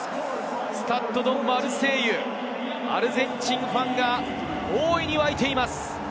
スタッド・ド・マルセイユ、アルゼンチンファンが大いに沸いています。